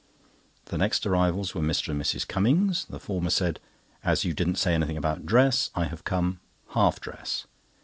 The next arrivals were Mr. and Mrs. Cummings. The former said: "As you didn't say anything about dress, I have come 'half dress.